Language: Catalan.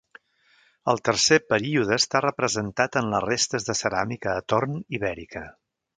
El tercer període està representat en les restes de ceràmica a torn ibèrica.